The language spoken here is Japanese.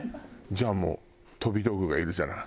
じゃあもう飛び道具がいるじゃない。